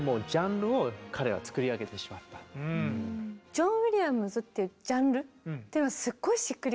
「ジョン・ウィリアムズ」っていうジャンルっていうのはすごいしっくりきたなっていう。